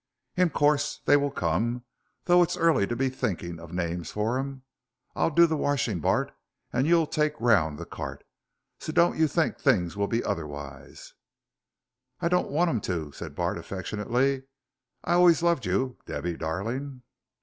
"In course they will come, though it's early to be thinking of names for 'em. I'll do the washing, Bart, and you'll take round the cart, so don't you think things 'ull be otherwise." "I don't want 'em to," said Bart, affectionately. "I always loved you, Debby darling."